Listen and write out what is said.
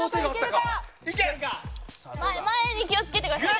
前に気をつけてくださいね。